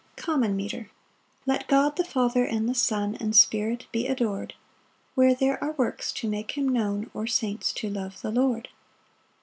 Common Metre. Let God the Father, and the Son, And Spirit be ador'd, Where there are works to make him known, Or saints to love the Lord.